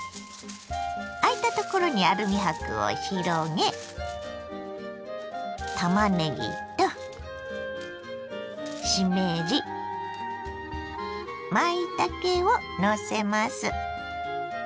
あいたところにアルミ箔を広げたまねぎとしめじまいたけをのせます。